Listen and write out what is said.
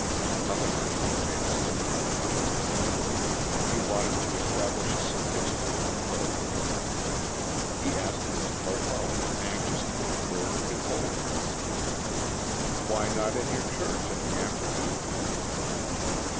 Another minister made a similar proposition: he wanted to establish a Sunday School for coloured people. He asked Miss Bartholomew anxiously where he could hold it. "Why not in your church in the afternoon?"